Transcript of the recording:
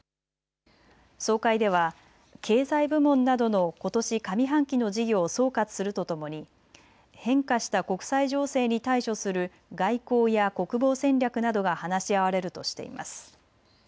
総会では経済部門などのことし上半期の事業を総括するとともに変化した国際情勢に対処する外交や国防戦略などが話し合われるとしています。